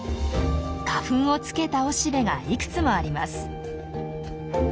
花粉をつけた雄しべがいくつもあります。